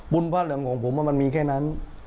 พระเหลืองของผมมันมีแค่นั้น